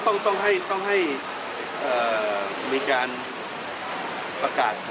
ก็ต้องให้ต้องให้เอ่อมีการประกาศผล